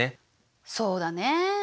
そうだね。